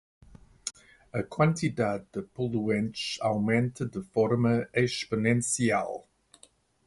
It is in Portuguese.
A quantidade de poluentes aumenta de forma exponencial.